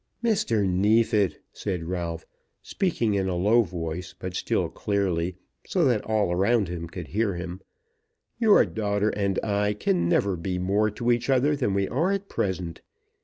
"Mr. Neefit," said Ralph, speaking in a low voice, but still clearly, so that all around him could hear him, "your daughter and I can never be more to each other than we are at present.